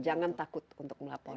jangan takut untuk melapor